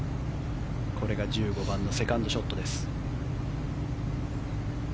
これが１５番のセカンドショットです。